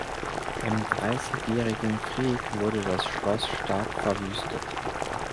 Im Dreißigjährigen Krieg wurde das Schloss stark verwüstet.